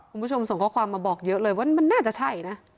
คุณผู้ชมส่งข้อความมาบอกเยอะเลยว่ามันน่าจะใช่นะ